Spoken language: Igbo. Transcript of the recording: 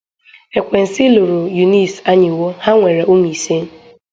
Ekwensi lụrụ Eunice Anyiwo, ha nwere ụmụ ise.